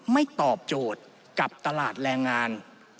ตอบโจทย์กับตลาดแรงงาน